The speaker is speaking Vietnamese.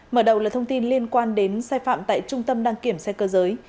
mở đầu là thông tin liên quan đến sai phạm tại trung tâm đăng kiểm xe cơ giới